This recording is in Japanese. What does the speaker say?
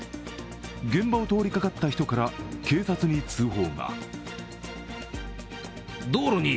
現場を通りかかった人から警察に通報が。